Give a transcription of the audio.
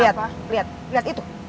lihat lihat lihat itu